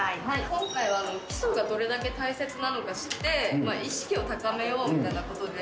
今回は基礎がどれだけ大切なのか知って、意識を高めようみたいなことで。